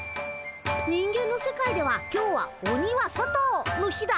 人間の世界では今日は鬼は外！の日だ！